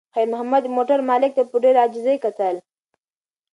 خیر محمد د موټر مالک ته په ډېرې عاجزۍ کتل.